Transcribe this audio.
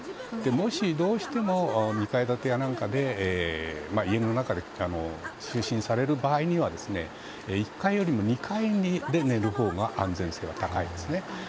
もしどうしても２階建てや何かで家の中で就寝される場合には１階よりも２階で寝るほうが安全性が高いですね。